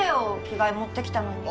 着替え持ってきたのに。